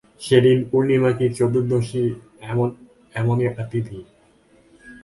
সেদিন পূর্ণিমা কি চতুর্দশী এমনি একটা তিথি।